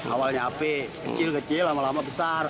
awalnya ap kecil kecil lama lama besar